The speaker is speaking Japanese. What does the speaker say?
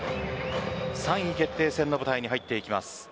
３位決定戦の舞台に入ります。